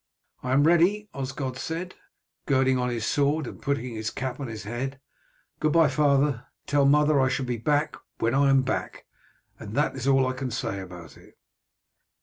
"I am ready," Osgod said, girding on his sword and putting his cap on his head. "Good bye, father. Tell mother I shall be back when I am back, and that is all I can say about it."